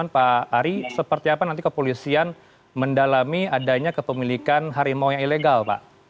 pak ari seperti apa nanti kepolisian mendalami adanya kepemilikan harimau yang ilegal pak